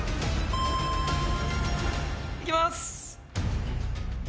いきます。